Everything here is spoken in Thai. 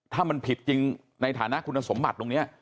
ถ้ามันผิดจริงในฐานะคุณสมบัติตรงนี้